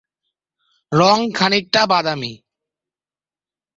রং খানিকটা বাদামী।